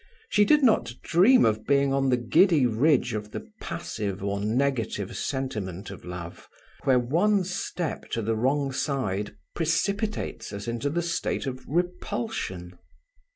She did not dream of being on the giddy ridge of the passive or negative sentiment of love, where one step to the wrong side precipitates us into the state of repulsion.